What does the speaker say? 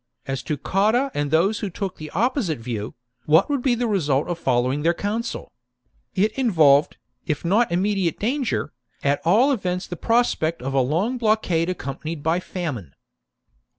As to Cotta and those who took the opposite view, what would be the result of following their counsel ? It involved, if not immediate danger, at all events the prospect of a long blockade accompanied by famine.